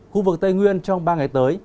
khu vực tây nguyên trong ba ngày tới